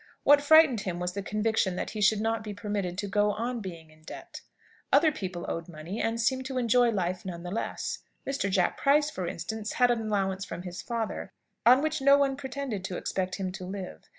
What frightened him was the conviction that he should not be permitted to go on being in debt. Other people owed money, and seemed to enjoy life none the less. Mr. Jack Price, for instance, had an allowance from his father, on which no one pretended to expect him to live.